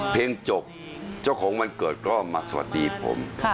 จบเจ้าของวันเกิดก็มาสวัสดีผม